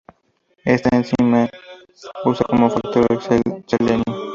Esta enzima usa como cofactor el selenio.